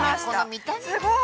◆すごい。